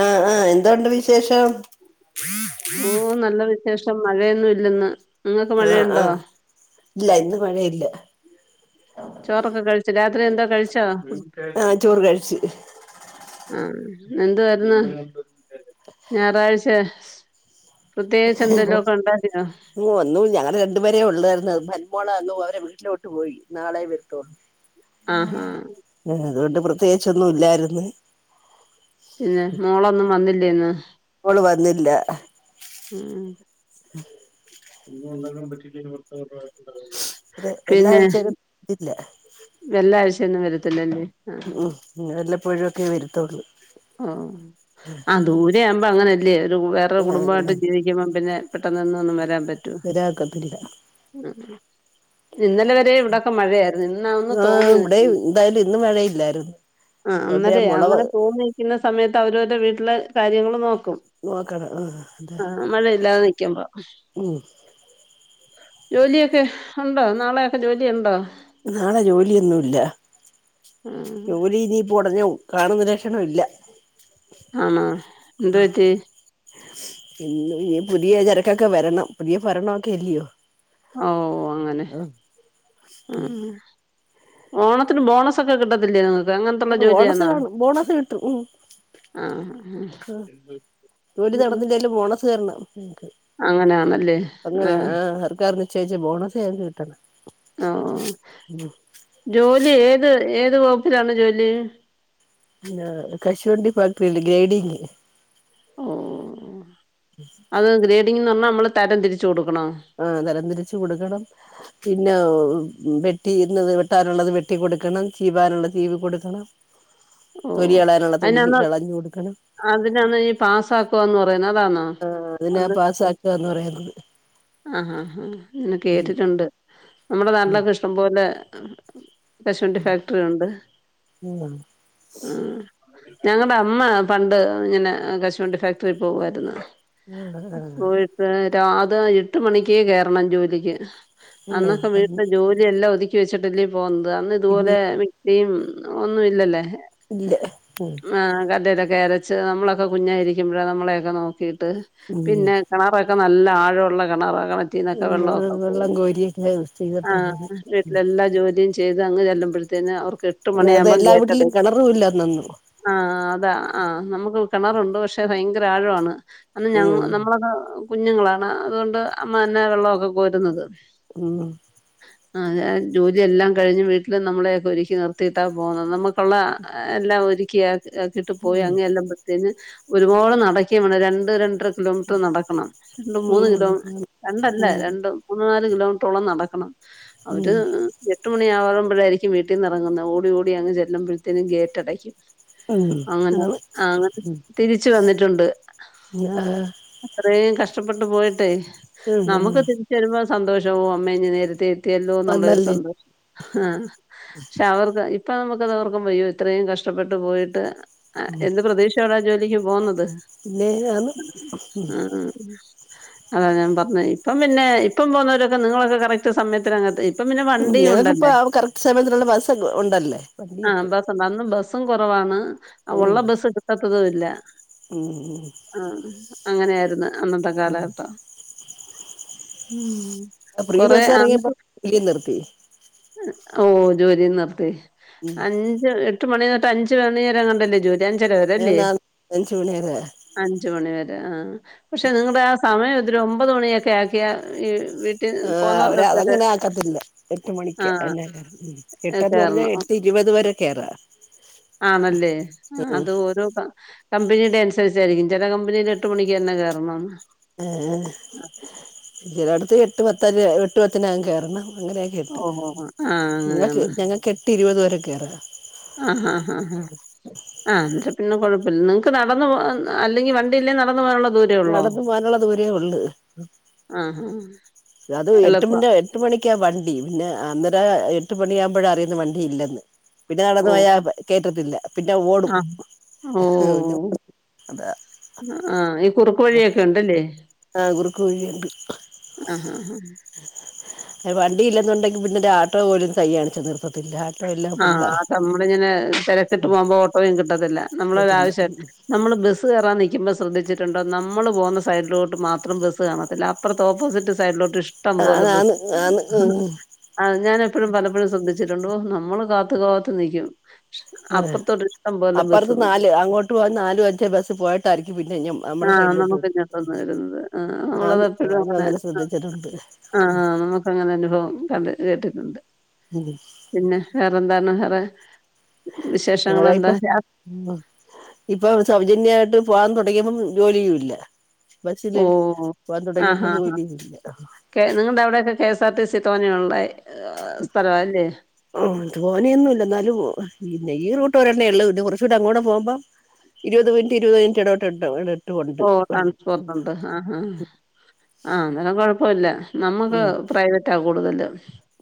ആഹ് ആഹ് എന്തോണ്ട് വിശേഷം ഓഹ് നല്ല വിശേഷം മഴയൊന്നും ഇല്ലെന്ന് നിങ്ങൾക്ക് ആഹ് മഴയുണ്ടോ ആഹ് ഇല്ല ഇന്ന് മഴയില്ല ചോറൊക്കെ കഴിച്ച രാത്രി എന്താ കഴിച്ചോ ആഹ് ചോറ് കഴിച്ച് ആഹ് എന്തുവായിരുന്നു ഞായറാഴ്ച പ്രത്യേകിച്ച് എന്തെല്ലോ ഒക്കെ ഇണ്ടാക്കിനോ ഓഹ് ഇന്നു ഞങ്ങള് രണ്ടുപേരേ ഉള്ളതായിരരുന്നു മന്മോളെ വന്നു അവരെ വീട്ടിലോട്ട് പോയി നാളെ വരുത്തള്ളൂ ആഹ് ആഹ് ആ അതുകൊണ്ട് പ്രത്യേകിച്ചൊന്നും ഇല്ലായിരുന്നു ഇല്ല മോളൊന്നും വന്നില്ലേയ്ന്നോ മോള് വന്നില്ല ഉം ഇത് എല്ലാ പിന്നെ ആഴ്ചയിലും ഇല്ല വല്യ ആവിശ്യം ഒന്നും വരത്തില്ലേ അതിന്റെ ഉം വല്ലപ്പോഴും ഒക്കെ വരുത്തുള്ളൂ ആഹ് ആ ദൂരെ ആവുമ്പോ അങ്ങനല്ലേ ഒരു വേറെ കുടുംബമായിട്ട് ആഹ് ജീവിക്കുമ്പോ പിന്നെ പെട്ടെന്നന്ന് ഒന്നും വരാൻ പറ്റോ വരാൻ ഒക്കത്തില്ല ആഹ് ഇന്നലെ വരെ ഇവിടൊക്കെ മഴയായിരുന്നു ഇന്നാ ഒന്ന് ആഹ് തോന്ന ഇവിടെയും എന്തായാലും ഇന്ന് മഴ ഇല്ലായിരുന്നു ആ അന്നേരേ അങ്ങനെ തോന്നിക്കുന്ന സമയത്ത് അവരവരുടെ വീട്ടില് കാര്യങ്ങള് നോക്കും നോക്കണം ആഹ് അതെ ആഹ് മഴ ഇല്ലാതെ നിക്കുബോ ഉം ജോലിയൊക്കെ ഉണ്ടോ നാളെയൊക്കെ ജോലിയ ഉണ്ടോ നാളെ ജോലിയൊന്നുല്ല ഉം ജോലി ഇനിപ്പോ ഉടനെ കാണുന്ന ലക്ഷണ ഇല്ല ആണോ എന്ത്‌ പറ്റി ഇന്ന് ഇനി പുതിയ ചരക്കൊക്കെ വരണം പുതിയ ഫരണൊക്കെ അല്ലയോ ഔ അങ്ങനെ ആഹ് ഉം ഓണത്തിന് ബോണസൊക്കെ കിട്ടത്തില്ലേ നിങ്ങക്ക് അങ്ങനത്തുള്ള നങ്ങക് ബോണസ് ജോലിയാന്നോ? കാണും ബോണസ് കിട്ടും ഉം ആഹ് ആ ജോലി ഉം നടന്നില്ലേലും ബോണസ് കരണം ങ്ങക്ക് അങ്ങനെ ആഹ് സർക്കാർനിച്ചയിച്ച ബോണസ് ഞങ്ങക് കിട്ടണം ആഹ് ജോലി ഏത് ഏത് വകുപ്പിലാണ് ജോലി ആഹ് കശുവണ്ടി ഫാക്ടരില്ലെ ഗ്രൈഡിങ്ങ് ഓഹ് അത് ഗ്രേഡിങ്ന്ന് പറഞ്ഞാ നമ്മള് തരം തിരിച്ചു കൊടുക്കണോ ആഹ് തരംതിരിച്ചു കൊടുക്കണം പിന്നെ പെട്ടി ഇന്ന് വെട്ടാനുള്ളത് വെട്ടി കൊടുക്കണം ചിവാനുള്ളത് ചീവികൊടുക്കണം ഓ അതിനന്ന് കളഞ്ഞു കൊടുക്കണം അതിനന്ന് ഈ പാസ്സാക്കോവാന്ന് പറയുന്നത് അതാണോ ആഹ് അതിനാ അത് പാസ്സാക്കുകന്ന് പറയുന്നത് ആഹ് ഹാഹാ എന്ന് ഉം കേട്ടിട്ടുണ്ട് നമ്മുടെ നാട്ടിലൊക്കെ ഇഷ്ടം പോലെ കശുവണ്ടി ഫാക്ടറി ഉണ്ട് ഉം ഉം ഞങ്ങടെ അമ്മ പണ്ട് ഇങ്ങനെ കശുവണ്ടി ഫാക്ടറിയിൽ പോകുവായിരുന്നു ആഹ് ആഹ് പോയിട്ട് രാത എട്ട് മണിക്കേ കേറണം ജോലിക്ക് ആഹ് അന്നൊക്കെ അത് വീട്ടിലെ ജോലിയെല്ലാം ഒതുക്കി വെച്ചിട്ടല്ലേ പോകന്നുന്നത് അന്ന് പിന്നെ ഇതുപോലെ മി [unintelligible] ഒന്നും ഇല്ലല്ലേ ഇല്ലാഹ് ഉം ആഹ് [unintelligible] അരച്ച് നമ്മളൊക്കെ കുഞ്ഞായിരിക്കുമ്പെളാ നമ്മളെയൊക്കെ നോക്കിയിട്ട് പിന്നെ കിണറൊക്കെ നല്ല ആഴോള്ള കിണറാ [unintelligible] കിണറ്റീന്നൊക്കെ ഉം ആഹ് വെള്ളക്കെ വെള്ളം കോരി കോരിയൊക്കെ ചെയ്തിട്ടാ ആഹ് പോന്നെ ഉം വീട്ടിലെല്ലാ ജോലിയും ചെയ്ത് അങ്ങ് ചെല്ലുമ്പഴത്തേന് അവർക്ക് എട് അതായത് എല്ലാ വീട്ടിലും കെണറും ഇല്ലാർന്നു അന്നേനും ആഹ് അതാ ആഹ് നമുക്ക് കെണറുണ്ട് പക്ഷെ ഭയങ്കര ആഴാണ് അന്ന് ഉം നമ്മളൊക്കെ കുഞ്ഞുങ്ങളാണ് അതുകൊണ്ട് അമ്മന്നേ വെള്ളൊക്കെ കോരുന്നത് ഉം ആഹ് ജോലിയെല്ലാം കഴിഞ്ഞ് വീട്ടില് നമ്മളെ ഒരുക്കി നിർത്തിയിട്ടാ പോകുന്നത് നമ്മുക്ക് കൊള്ളാ എല്ലാം ഒരുക്കി ആക്കീട്ടുപോയ ഉം അങ്ങ് ചൊല്ലുബോ അതിന് ഒരുപാട് നടക്കേം വേണം രണ്ട് രണ്ടര കിലോമീറ്റർ നടക്കണം രണ്ട്മൂന്ന് കിലോ ഉം രണ്ടല്ല രണ്ടും മൂന്ന് നാല് കിലോമീറ്ററോളം നടക്കണം ഉം അവര് ഉം എട്ട് മണി യാകുമ്പഴായിരിക്കും വീട്ടിൽന്ന് ഇറങ്ങുന്നത് ഓടി ഓടി അങ്ങ് ചെല്ലുമ്പഴത്തേനും ഗേറ്റ് അടയ്ക്കും ഉം അങ്ങനെ ആണ് ആഹ് അങ്ങനെ തിരിച്ച് വന്നിട്ടുണ്ട് [unintelligible] അത്രേം കഷ്ടപ്പെട്ട് പോയിട്ടെ ഉം ഉം നമുക് [unintelligible] ചെല്ലോമ്പോ സന്തോഷവും അമ്മേഇങ്ങ് നേരത്തെ എത്തിയല്ലോന്നുള്ളൊരു വന്നല്ലേ സന്തോഷം ആഹ് പക്ഷെ അവർക്ക് ഇപ്പം നമുക്കത് ഓർക്കുമ്പയേ ഇത്രേം കഷ്ടപ്പെട്ട് പോയിട്ട് എന്ത് പ്രതീക്ഷി [unintelligible] ജോലിക്ക് പോകുന്നത് പിന്നെ ആന്ന് ആഹ് ഹ് അതാ ഞാൻ പറഞ്ഞേ ഇപ്പം പിന്നെ ഇപ്പം പോകുന്നോരൊക്കെ നിങ്ങളൊക്കെ കറക്റ്റ് സമയത്തിനങ്ങ് ഇപ്പ് ഉം ഞങ്ങക്കിപ്പോ ആ കറക്റ്റ് സമയത്തിനുള്ള ബസ്സ് ഉണ്ടല്ലേ വണ്ടി ആ കിട്ടി ബസ്സ്ണ്ട് അന്ന് ബസ്സും കുറവാണ് ഉം ഉള്ള ബസ്സ് കിട്ടത്തതൂം ഇല്ല ഉം ഉം ആ അങ്ങനെയായ്ര്ന്ന് അന്നത്തെ കാലഘട്ടം ഉം പ്പൊ ഫ്രീ കൊറെ ബസ്സ് എറങ്ങിയപ്പം ജോലിം നിറ്ത്തി ഓ ജോലിം നിർത്തി ഉം അഞ്ച് എട്ട് മണിതൊട്ട് അഞ്ച് മണിവരെ എങ്ങാണ്ടല്ലേ ജോലി അഞ്ചര വരെ ഞാൻ ല്ലേ നാ അഞ്ച് മണി വരെ അഞ്ച് മണി വരെ ആ പക്ഷെ നിങ്ങടെ ആ സമയം ഇത്തിരി ഒമ്പത് മണിയൊക്കെ ആക്കിയാ ഈ വീട്ടിൽ ആ അവര് പോന്നവർക്കൊക്കെ ഒരു അതങ്ങനെ ആക്കത്തില്ല ആ എട്ടുമണിക്ക് എന്നെ ഉം എട്ടന്ന് പറഞ്ഞാ എട്ട് ഇരുപത് വരെ കേറാ ആന്നല്ലേ ഉം അത് ഓരോ ക കമ്പനിയുടെ അനുസരിച്ചായിരിക്കും ചെല കമ്പനില് എട്ട് മണിക്ക് തന്നെ കേറണം ഏ ചിലട്ത്ത് എട്ട് പത്തര എട്ട് പത്തിനാവും കേറണം അങ്ങനെയൊക്കെ ഇട്ട് ഓഹോ! ആ നങ്ങക്ക് അങ്ങനെയാണ്. ഞങ്ങക്ക് ഏട്ട് ഇരുപത് വരെ കേറാ ആഹ് ആഹ് ആഹ് ആ ന്നിട്ട് പിന്നെ കൊഴപ്പല്ല നിങ്ങക്ക് നടന്ന് പോ അല്ലെങ്കിൽ വണ്ടിയില്ലേ നടന്നു പോകാനുള്ള ദൂ നടന്നു പോകാനുള്ള ദൂരേ ഒള്ള് ആഹാ! അത് എളുപ്പാ. എട്ടുമുന്നേ എട്ട് മണിക്കാ വണ്ടി പിന്നെ അന്നേരം എട്ട് മണിയാകുമ്പഴാ അറിയുന്നേ വണ്ടി ഇല്ലെന്ന് പിന്നെ ഓ! നടന്നു പോയാ കേറ്റത്തില്ല പിന്നെ ഓടും ആ. ഓ! അതാ ആ ഈ കുറുക്ക് വഴിയൊക്കെ ഉണ്ടല്ലേ ആ കുറുക്ക് വഴിയുണ്ട് ആഹാഹാ. വണ്ടി ഇല്ലെന്നുണ്ടെങ്കി പിന്നെ ഒരു ആട്ടോ പോലും കയ് കാണിച്ച നിർത്തത്തില്ല. ആട്ടോ എല്ലാം ആ ഫുള്ളാ അത് അമ്മളിങ്ങനെ തെരക്കിട്ട് പോവുമ്പോ ഓട്ടോയുംകിട്ടത്തില്ല ത്തത്തില്ല അമ്മളൊരാവശ്യം ഉം നമ്മള് ബസ്സ് കേറാ നിയ്ക്ക്മ്പോ ശ്രദ്ധിച്ചിട്ട്ണ്ടോ നമ്മള് പോവുന്ന സൈഡിലോട്ട് മാത്രം ബസ്സ് കാണത്തില്ല അപ്പറത്തെ ഓപ്പോസിറ്റ് സൈഡിലോട്ട് ഇഷ്ടം പോലെ ആന്ന് ആന്ന് ബസ് ആന്ന് ഉം ആ ഞാനെപ്പഴും പലപ്പഴും ശ്രദ്ധിച്ചിട്ടുണ്ട് ഓ നമ്മള് കാത്ത് കാത്ത് നിക്കും അപ്പറത്തോട് ഇഷ്ടം പോലെ ബസ്ണ്ട് ല്അങ്ങോട്ട് പോകാൻ നാല് അഞ്ചു ബസ് പോയിട്ടായിരിക്കും പിന്നെ ഇങ്ങ ആ നമുക്ക് ഇങ്ങട്ടൊന്ന് വര്ന്നത് ആ ആന്ന് നമ്മളതപ്പഴും ഞാനും അങ്ങനെ ആ ശ്രദ്ധിച്ചിട്ടുണ്ട് ആ ആ നമുക്ക് അങ്ങനെ അനുഭവം കണ്ട് കേട്ടിട്ടുണ്ട്. ഉം പിന്നെ വേറെന്താണ് വേറെ വേറെ വിശേഷങ്ങളെന്താ? ഇപ്പ ഇപ്പൊ സൗജന്യായിട്ട് പോവാൻ തുടങ്ങിയപ്പം ജോലിയൂല്ല ബസ്സില് ഓഹ് പോവാൻ തുടങ്ങിയപ്പോ ജോലിയുല്ലാ ക്കെ നിങ്ങളുടെ അവിടെയൊക്കെ K S R T C തോനെയുള്ള സ്ഥലവാ അല്ലേ. ഉം തോനെയൊന്നുംല്ല ന്നാലും പിന്നെ ഈ റൂട്ട് ഒരെണ്ണേയൊള്ളൂ ത് കൊറച്ചുടെ അങ്ങോട്ട് പോവ്മ്പം ഇരുവത് മിൻറ്റ് ഇരുവത് മിൻറ്റ് എട വ്ട്ട്ണ്ട് എട വിട്ട് ഉണ്ട് ആ ആ ആ അന്നാല കൊഴപ്പല്ല നമ്മക്ക് ഉം പ്രൈവറ്റാ കൂടുതല്.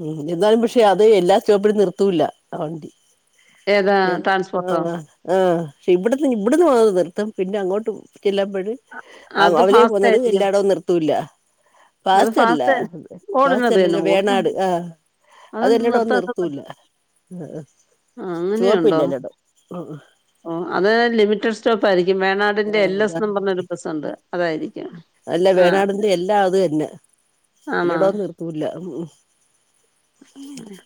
ഉം എന്നാലും വിഷയാ അത് എല്ലാ സ്‌റ്റോപ്പിലും നിറ്ത്തൂല്ല ആ വണ്ടി ഏതാ ഞങ്ങള് ട്രാൻസ്പോർട്ടോ? ആ ആ ആ ക്ഷേ ഇബ്ട്ന്ന് ഇബ്ട്ന്ന് പോ നിർത്തും പിന്നെ അങ്ങോട്ട് ചെല്ല്മ്പഴ് അവ് അത് അവരെ ഫാസ്റ്റ് പോന്നത് ആയിരിക്കും എല്ലായിടോം നിർത്തൂല്ല. അത് പാസ്റ്റല്ല ഫാസ്റ്റ് ഓടുന്നത് തന്നെ പാസ്റ്റല്ലല്ലൊ ഓടുന്നത് വേണാട്. ആ അതെന്ത് അതെല്ലാടോ നിർത്താത്തത് നിർത്തൂല്ല. മ്മ്ഹ് ആഹ് അങ്ങനെയുണ്ടോ? ചൊവപ്പില്ലല്ലോടോ ഓ അത് ലിമിറ്റഡ് സ്റ്റോപ്പായിരിക്കും വേണാട് ടിന്റെ ആഹ് എൽ എസ് അതാ ന്ന് പറഞൊരു ബസുണ്ട് അതായിരിക്കാം ആഹ് ല്ലാത് തന്നെ ആണോ എല്ലടോന്നും നിർത്തൂല ഉം ആഹ്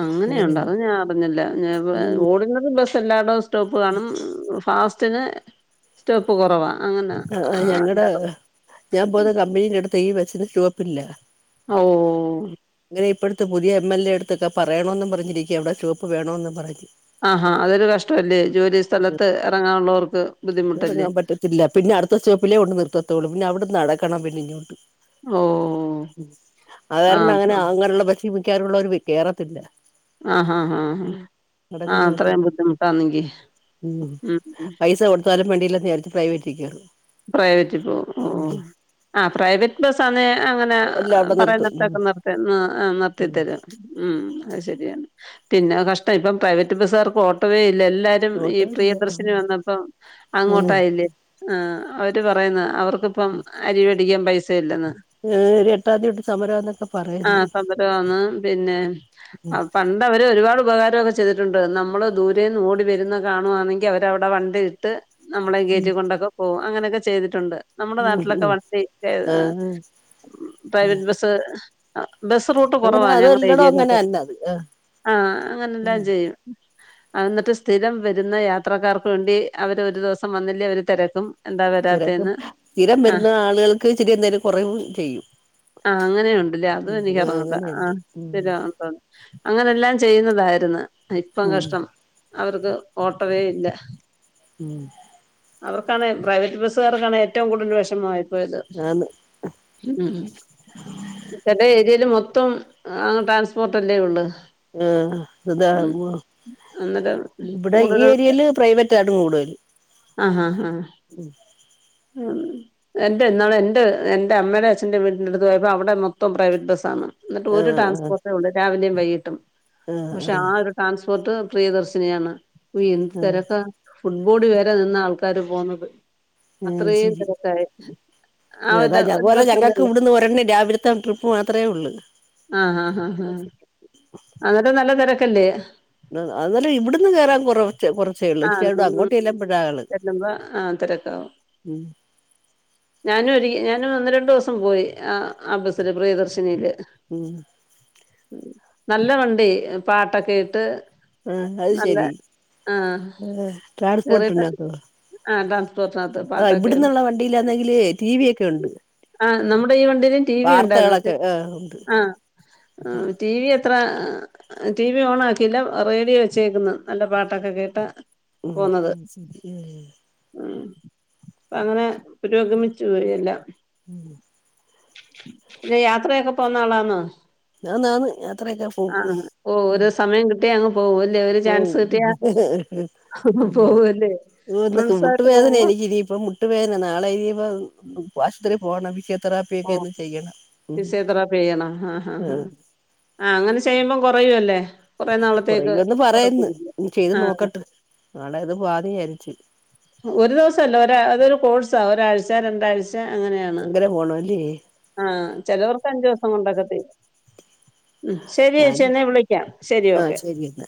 അങ്ങനെയണ്ടൊ അങ്ങനെയാണ് അത് ഞാൻ അറിഞ്ഞില്ല ഞാപ്പോ ഓർഡിനറി ബസ്സ് എല്ലായിടും സ്റ്റോപ്പ് കാണും ഫാസ്റ്റിന് സ്റ്റോപ്പ് കൊറവാ അങ്ങനാ [unintelligible] ഞാ പോന്ന കമ്പനീന്റെട്ത്ത് ഈ ബസ്സിന് സ്‌റ്റോപ്പില്ല. ഓഹോ അങ്ങനെ ഇപ്പഴത്തെ പുതിയ എം എൽ എല്ലേട്ത്തൊക്കെ പറയണോന്ന് പറഞ്ഞിരിക്ക ഇവടെ സ്‌റ്റോപ്പ് വേണോന്നും പറഞ്ഞ്. ആഹാ അതൊരു കഷ്ടല്ലേ ജോലി സ്ഥലത്ത് എറങ്ങാനുള്ളോർക്ക് ബുദ്ധിമുട്ടല്ലേ. പിന്നടുത്ത സ്‌റ്റോപ്പിലേകൊണ്ട് നിർത്തത്തോള്ളു പിന്നവ്ട്ന്ന് നടക്കണം പിന്നെ ഇങ്ങോട്ട് ഓ ഉം ആ സാധാരണങ്ങനെ അങ്ങനെള്ള ഭക്ഷീമിക്കാറുള്ളവര് കേറത്തില്ല. ആഹാ ഹാ ഹാ ആഹ് നടക്കുന്ന ബസ്സി അത്രേം ബുദ്ധിമുട്ടാന്നെങ്കി ഉം സ്ഥലം വണ്ടില്ലാന്ന് വിചാരിച്ച് പ്രൈവറ്റിക്കേറും. പ്രൈവറ്റ് പോവും ഓഹ് ആഹ് പ്രൈവറ്റ് ബസ്സാന്നെ അങ്ങനെ എല്ലാം അവിടെ നിർത്തും ഉം പറയിന്നെട്തൊക്കെ നിർത്തി ഹ് ഉം നിർത്തിത്തരും. ഉം അത് ശരിയാണ് പിന്നെ കഷ്ടം ഇപ്പം പ്രൈവറ്റ് ബസ്സുകാർക്കും ഓട്ടോവേ ഇല്ല എല്ലാ രും ഈ ഓട്ടോ ഇല്ല പ്രിയദർശിനി വന്നപ്പം അങ്ങോട്ടായില്ലേ ആഹ് അവര് പറയുന്ന അവർ ക്ക്പ്പം അരിവേടിക്കാൻ പൈസ ഇല്ലെന്ന് ഒരു എട്ടാം തീ തൊട്ട് സമരം എന്നൊക്കെ പറയുന്നു ആഹ് സമരവാന്ന് പിന്നെ അഹ് പണ്ട് അവര് ഒരുപാട് ഉപകാരക്കെ ചെയ്തിട്ടുണ്ട് നമ്മള് ദൂരേന്ന് ഓടി വരുന്ന കാണുവാന്നെങ്കി അവരവടെ വണ്ടിയിട്ട് നമ്മളെ ഉം കേറ്റി കൊണ്ടൊക്കെ പോകും അങ്ങനൊക്കെ ചെയ്തിട്ടുണ്ട്. നമ്മടെ ഉം നാട്ടിലൊക്കെ ഉം വണ്ടി ഏഹ് ആഹ് പ്രൈവറ്റ് ബസ്സ് ബസ് റൂട്ട് അങ്ങനെ കൊറവാ ഞങ്ങടെ അതെല്ലടോം അങ്ങനെ ഏര്യേലൊക്കെ തന്ന അത് ആഹ് ആഹ് അങ്ങനെല്ലാം ഉം ചെയ്യും. അഹ് ന്നട്ട് സ്ഥിരം വരുന്ന യാത്രക്കാർക്ക് വേണ്ടി അവര് ഒരു ദിവസം വന്നില്ലേ അവര് തെരക്കും. രക്ക് സ്ഥിരം വരുന്നാളുകൾക്ക് ചിട്ട് ന്നേരം കൊറവ് ചെയ്യും. ആഹ് അങ്ങനെയുണ്ട്ല്ലേ അതും ഉം ആഹ് എനിക്ക്റിഞ്ഞൂടാ അങ്ങനെയുണ്ട് ആഹ് ഉം ശെരി അതാണ്. അങ്ങനെല്ലാം ചെയ്യുന്നതായിരുന്ന് ഇപ്പം ഉം കഷ്ടം അവർക്ക് ഓട്ടവേ ഇല്ല ഉം അവർക്കാണ് പ്രൈവറ്റ് ബസ്സുകാർക്കാണ് ഏറ്റവും കൂടുതൽ വെഷമായിപ്പോയത്. ആന്ന് ഉം ങ്ങട്ട് ഏരിയല് മൊത്തം ട്രാൻസ് പോർട്ടല്ലേ ഒള്ള്. ആഹ് അതാവോ ന്ന്ട്ടാ ഇവിടെ ഈ ഏരിയല് പ്രൈവറ്റാണ് കൂടുതല് ആഹ് ഹാ ആഹ് ഉം എന്റെ ഇന്നാള് എന്റെ എന്റെ അമ്മേടെ അച്ഛന്റെ വീടിന്റെടുത്ത് പോയപ്പോ അവടെ മൊത്തം പ്രൈവറ്റ് ബസ്സാണ്. ന്നട്ട് ഒരു ആഹ് ട്രാൻസ്പോർട്ടേ ഒള്ളൂ രാവിലേം വൈകിട്ടും പക്ഷെ ആഹ് ഒരു ട്രാൻസ്പോർട്ട് പ്രിയദർശിനിയാണ് വീ എന്ത് ആഹ് തെരക്ക. ഫുട്ബോട് വരെ നിന്ന ആൾക്കാര് പോണത്. അത്രയും തെരക്കായി ഏതാ ഞ അത്പോലെ ഞങ്ങൾക്ക് ഇവടുന്ന് ഒരെണ്ണണം രാവിലത്തെ ട്രിപ്പ് മാത്രെ ഒള്ളൂ. ആഹ് ആഹ് ആഹ് ആഹ് അവടെ നല്ല തെരക്കല്ലേ? അതല്ല ഇവിട്ന്ന് കേറാന് കൊറ കൊറച്ചേള്ളൂ [unintelligible] അങ്ങോട്ടെല്ലുമ്പഴാണ്. അഹ് ആഹ് തിരക്കാ. [inaudible] ഞാനു ഒരി ഞാനും ഒന്ന് രണ്ടുസം പോയി ആഹ് ആഹ് ബസ്സിൽ പ്രിയദർശിനിയിൽ. ഉം. നല്ലവണ്ടി പാട്ടൊക്കെയിട്ട്. ഉം അത് ശെരി ട്രാൻസ്പോർട്ട്ണ്ടാക്ക് ആഹ് അതാണ്. കോസാത്ത്. ആഹ് ഇവിട്ന്നുള്ള വണ്ടിയിലാന്നെങ്കില് ടി വി ഒക്കെണ്ട്. ആഹ് നമ്മുടെ ഈ വണ്ടിയിലും ടി വി ഉണ്ടായിരുന്നു ആ ഉണ്ട് ആഹ്. ആഹ് ടി വി എത്ര. ടി വി ഓൺ ആക്കിയില്ല റേഡിയോ വെച്ചേക്കുന്നു നല്ല പാട്ടൊക്കെ കേട്ട്. ഉം [unintelligible] ശെരി ഉം അ ങ്ങനെ പുരോഗമിച്ചു പോയെല്ലാം. ഉം. [unintelligible] യാത്രയൊക്കെ പോന്നാളാന്നോ? ആന്ന് ആന്ന് യാത്രയൊക്കെ പോവും ആഹ് ഓ ഉം ഓരോ സമയം കിട്ടിയ അങ്ങ്. പോവല്ലേ ഒരു പോവും ചാൻസ്കിട്ടിയ പിന്നെ പോവല്ലേ. [unintelligible] ക്ക് ഫ്രണ്ട്സായിട്ട് മുട്ടുവേദന പോവോ എനകിനിയിപ്പം മുട്ടുവേദന നാളെ ഇനിപ്പം ആശുപത്രി പോണം ഫിസി ഓഹ് ഫിസിയോ തെറാപ്പി ചെയ്യണോ? ആഹ ഹഹ ഹ ആ ആഹ് അങ്ങനെ ചെയ്യുമ്പം കൊറയൂല്ലേ? കൊറയന്ന് പറയ്ന്ന് ചെയ്ത് ആഹ് നോക്കട്ട് നാളെ അത് വാതി അര്ച്ച്. ഒരു ദിവസംല്ല ഒരാ അതൊരു കോഴ്സാ ഒരാഴ്ച രണ്ടാഴ്ച അങ്ങനെയാണ്. അങ്ങനെ പോണല്ലേ ആഹ് ചെലവർക്ക് അഞ്ചുവ്സം കൊണ്ടൊക്കെ തീരും. ഉം ശെരിയേച്ചി ഞാനും ന്നാ വിളിക്കാം ശെരി ആ ഓക്കെ. ശരി എന്നാ